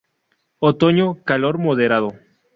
Otoño: Calor Moderado.